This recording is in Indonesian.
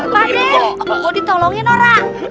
pade mau ditolongin orang